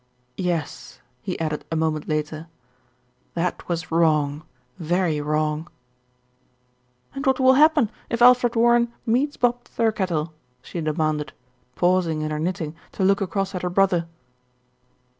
"Yes," he added a moment later, "that was wrong, very wrong." "And what will happen if Alfred Warren meets Bob Thirkettle?" she demanded, pausing in her knit ting to look across at her brother.